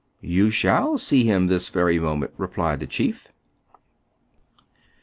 " You shall see him this very moment," replied the chief.